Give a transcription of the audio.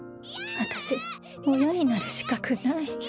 私親になる資格ない。